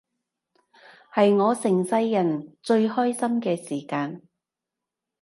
係我成世人最開心嘅時間